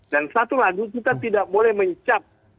dan satu lagi kita tidak boleh mencap